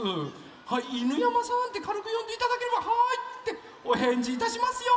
はい「犬山さん」ってかるくよんでいただければ「はい」っておへんじいたしますよ！